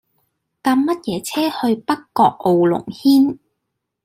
搭乜嘢車去北角傲龍軒